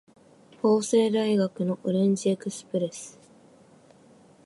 法政大学のオレンジエクスプレス